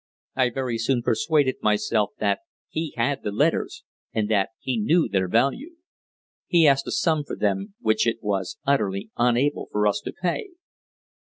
I very soon persuaded myself that he had the letters and that he knew their value. He asked a sum for them which it was utterly unable for us to pay."